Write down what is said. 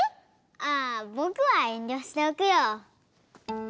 ああぼくはえんりょしておくよ。